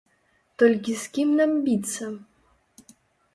Толькі з кім нам біцца?